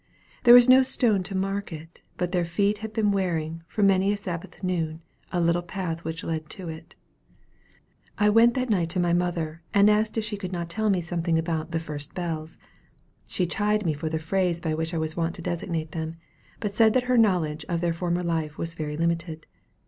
There was no stone to mark it, but their feet had been wearing, for many a Sabbath noon, the little path which led to it. I went that night to my mother, and asked her if she could not tell me something about "the first bells." She chid me for the phrase by which I was wont to designate them, but said that her knowledge of their former life was very limited.